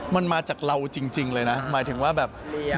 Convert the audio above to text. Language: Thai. มันมาจากเราจริงเลยนะหมายถึงว่าแบบ